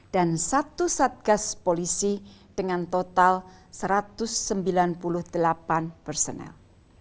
dan satu satgas polisi dengan total satu ratus sembilan puluh delapan personel